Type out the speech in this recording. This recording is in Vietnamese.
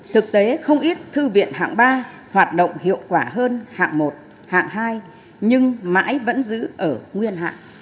thực tế không ít thư viện hạng ba hoạt động hiệu quả hơn hạng một hạng hai nhưng mãi vẫn giữ ở nguyên hạng